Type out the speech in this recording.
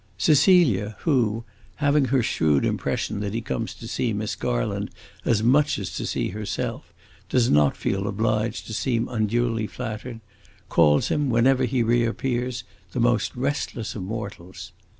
Cecilia, who, having her shrewd impression that he comes to see Miss Garland as much as to see herself, does not feel obliged to seem unduly flattered, calls him, whenever he reappears, the most restless of mortals.